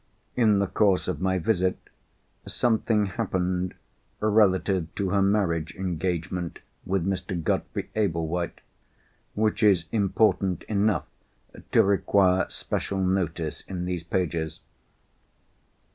In the course of my visit, something happened, relative to her marriage engagement with Mr. Godfrey Ablewhite, which is important enough to require special notice in these pages.